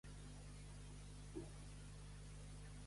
Ja no hi ha cap Stark que reverenciar ni agenollar-s'hi.